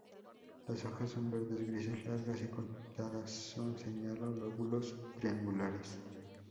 Las hojas son verdes-grises, largas y cortadas con, señaló lóbulos triangulares.